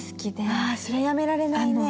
あそれ辞められないね。